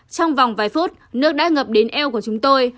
trong vòng vài phút nước đã ngập đến eo của chúng tôi